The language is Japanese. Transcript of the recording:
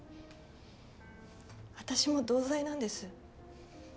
私も同罪なんです。